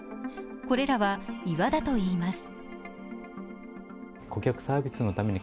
これらは岩だといいます。